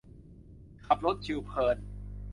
ขับรถชิลเพลิน